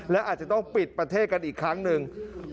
และอาจจะต้องปิดประเทศกันอีกครั้งหนึ่ง